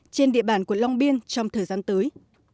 trên địa bàn quận long biên trong thời gian tới